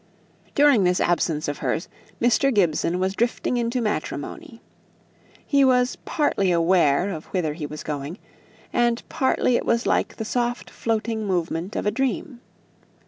During this absence of hers Mr. Gibson was drifting into matrimony. He was partly aware of whither he was going; and partly it was like the soft floating movement of a dream.